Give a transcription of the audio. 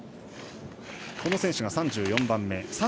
この選手が３４番目。